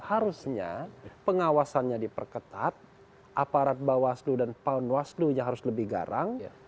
harusnya pengawasannya diperketat aparat bawah dan pahun harus lebih garang